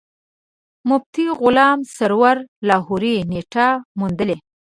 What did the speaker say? مفتي غلام سرور لاهوري نېټه موندلې.